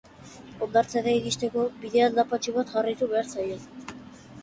Hondartzara iristeko, bide aldapatsu bat jarraitu behar zaio.